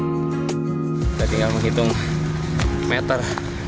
tidak tinggal menghitung meter